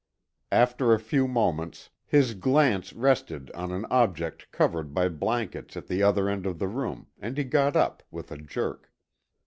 After a few moments, his glance rested on an object covered by blankets at the other end of the room and he got up with a jerk.